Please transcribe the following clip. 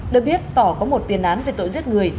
được biết tỏ có một tiền án về tội giết người